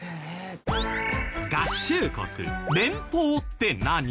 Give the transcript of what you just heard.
合衆国連邦って何？